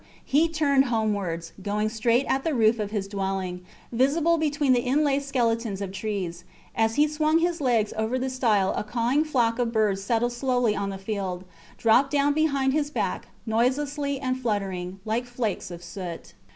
He turned homewards, going straight at the roof of his dwelling, visible between the enlaced skeletons of trees. As he swung his legs over the stile a cawing flock of birds settled slowly on the field; dropped down behind his back, noiseless and fluttering, like flakes of soot.